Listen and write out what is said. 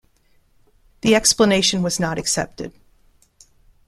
The explanation was not accepted.